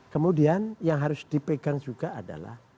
kemudian yang harus dipegang juga adalah